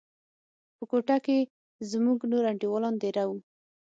په کوټه کښې زموږ نور انډيوالان دېره وو.